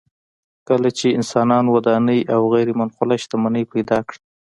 کله چې انسانانو ودانۍ او غیر منقوله شتمني پیدا کړه